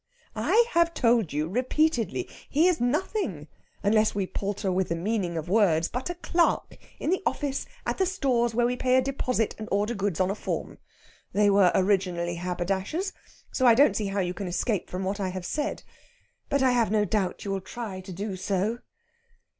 "I have told you repeatedly. He is nothing unless we palter with the meaning of words but a clerk in the office at the stores where we pay a deposit and order goods on a form. They were originally haberdashers, so I don't see how you can escape from what I have said. But I have no doubt you will try to do so."